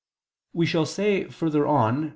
We shall say further on (Q.